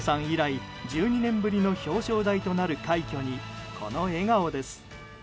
以来１２年ぶりの表彰台となる快挙に、この笑顔です。